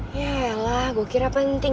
yaelah gue kira penting